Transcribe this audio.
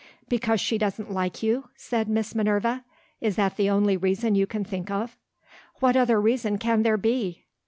"Because she doesn't like you?" said Miss Minerva. "Is that the only reason you can think of?" "What other reason can there be?"